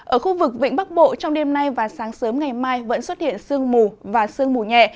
ở khu vực vĩnh bắc bộ trong đêm nay và sáng sớm ngày mai vẫn xuất hiện sương mù và sương mù nhẹ